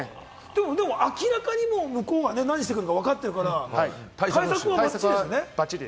でも明らかに向こうが何してくるかわかってるから、対策はばっちりですね。